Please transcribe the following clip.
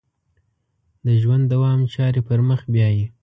د ژوند دوام چارې پر مخ بیایي.